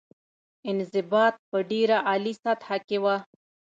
انضباط په ډېره عالي سطح کې وه.